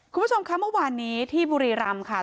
คุณผู้ชมคะเมื่อวานนี้ที่บุรีรำค่ะ